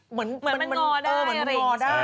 เหมือนมันงอได้